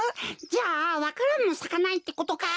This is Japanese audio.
じゃあわか蘭もさかないってことか？